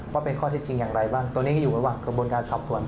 ว่าเป็นข้อเท็จจริงอย่างไรบ้างตอนนี้ก็อยู่ระหว่างกระบวนการสอบสวน